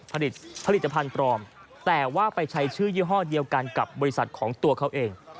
ผลิตผลิตภัณฑ์ปลอมแต่ว่าไปใช้ชื่อยี่ห้อเดียวกันกับบริษัทของตัวเขาเอง